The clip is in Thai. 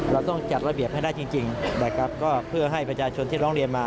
เราต้องจัดระเบียบให้ได้จริงนะครับก็เพื่อให้ประชาชนที่ร้องเรียนมา